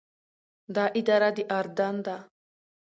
دا اداره د اردن ده.